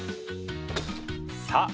さあ